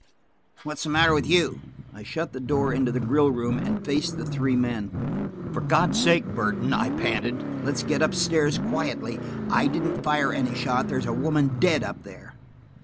What's the matter with you?" I shut the door into the grill room and faced the three men. "For God's sake, Burton," I panted, "let's get up stairs quietly. I didn't fire any shot. There's a woman dead up there."